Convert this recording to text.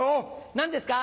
何ですか？